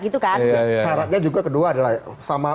sarannya juga kedua adalah